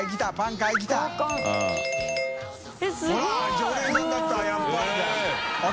「常連さんだった」